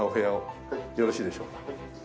よろしいでしょうか？